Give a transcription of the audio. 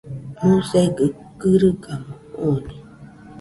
Musegɨ kɨrigamo jone.